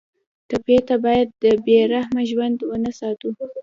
ټپي ته باید د بې رحمه ژوند نه وساتو.